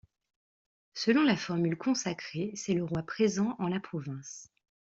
Selon la formule consacrée, c’est le roi présent en la province.